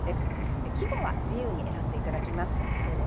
季語は自由に選んで頂きます。